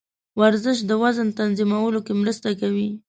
ورزش د وزن تنظیمولو کې مرسته کوي.